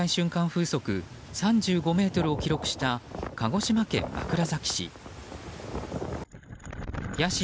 風速３５メートルを記録した鹿児島県枕崎市。